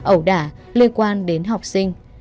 ẩu đả liên quan đến học sinh